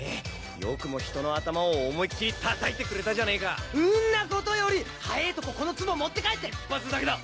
よくも人の頭を思いっ切り叩いてくれたじゃねえかんなことより早えとここの壺持って帰って１発だけだ！